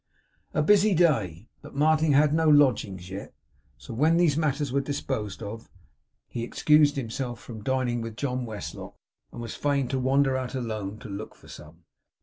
A busy day! But Martin had no lodgings yet; so when these matters were disposed of, he excused himself from dining with John Westlock and was fain to wander out alone, and look for some.